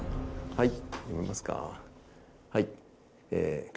はい。